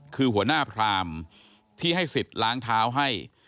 คือหัวหน้าพรามที่ให้สิทธิ์ล้างเท้าให้